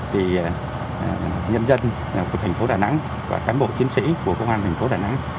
thì nhân dân của thành phố đà nẵng và cán bộ chiến sĩ của công an thành phố đà nẵng